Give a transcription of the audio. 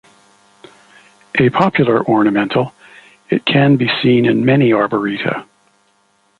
A popular ornamental, it can be seen in many arboreta.